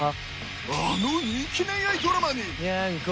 あの人気恋愛ドラマに